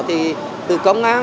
thì từ công an